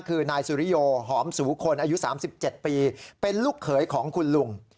คือนายสุริโยหอมสูคนอายุ๓๗ปีเป็นลูกเขยของคุณลุง